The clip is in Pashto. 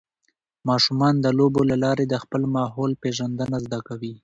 ماشومان د لوبو له لارې د خپل ماحول پېژندنه زده کوي.